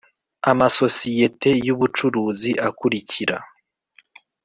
Amasosiyete y ubucuruzi akurikira